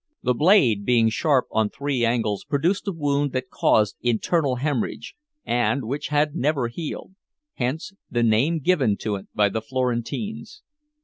The blade being sharp on three angles produced a wound that caused internal hemorrhage and which never healed hence the name given to it by the Florentines.